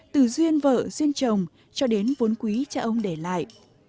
từ duyên vợ duyên chồng cho đến vốn quý cha ông để lại